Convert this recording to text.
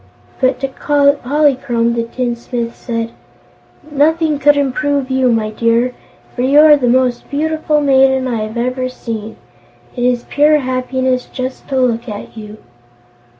But to Polychrome the tinsmith said: "Nothing could improve you, my dear, for you are the most beautiful maiden I have ever seen. It is pure happiness just to look at you."